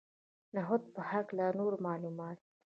د نخودو په هکله نور معلومات.